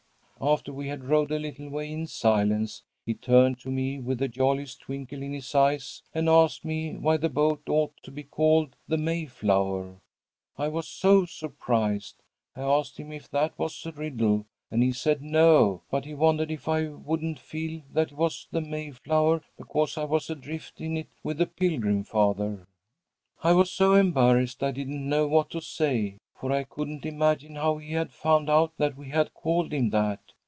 "After we had rowed a little way in silence he turned to me with the jolliest twinkle in his eyes and asked me why the boat ought to be called the Mayflower. I was so surprised, I asked him if that was a riddle, and he said no, but he wondered if I wouldn't feel that it was the Mayflower because I was adrift in it with the Pilgrim Father. "I was so embarrassed I didn't know what to say, for I couldn't imagine how he had found out that we had called him that.